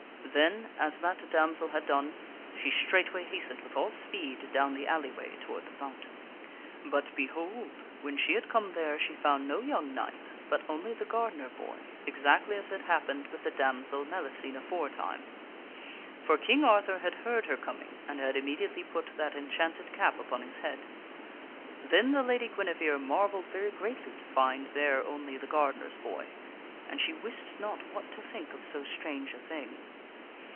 Then, as that damsel had done, she straight way hastened with all speed down the alley way toward the fountain. But, behold ! when she had come there, she found no young knight, but only the gardener boy, exactly as had happened with the damsel Melli cene aforetime. For King Arthur had heard her coming, and had imme diately put that enchanted cap upon his head. Then the Lady Guinevere marvelled very greatly to find there only the gardener's boy, and she wist not what to think of so strange a thing.